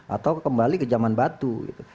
atau kembali ke zaman batu